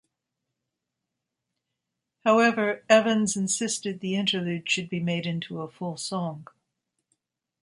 However, Evans insisted the interlude should be made into a full song.